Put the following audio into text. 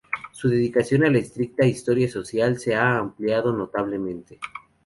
Su dedicación a la estricta historia social se ha ampliado notablemente.